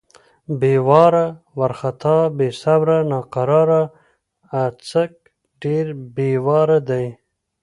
بې واره، وارختا= بې صبره، ناقراره. اڅک ډېر بې واره دی.